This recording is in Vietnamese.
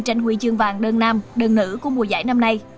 tranh huy chương vàng đơn nam đơn nữ của mùa giải năm nay